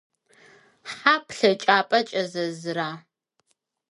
Хьа плъэкӏапӏэ кӏэзэзыра?